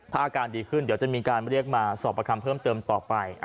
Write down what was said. ถ้าอาการดีขึ้นเดี๋ยวจะมีการเรียกมาสอบประคำเพิ่มเติมต่อไป